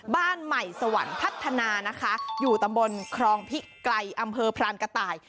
บ้านใหม่สวรรค์พัฒนานะคะอยู่ตำบลครองพิไกรอำเภอพรานกระต่าย